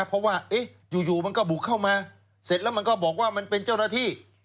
เพราะว่าอยู่มันก็บุกเข้ามาเสร็จแล้วมันก็บอกว่ามันเป็นเจ้าหน้าที่